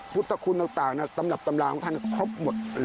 พุทธธธรรมนะคะสำหรับสำรางท่านครอบหมด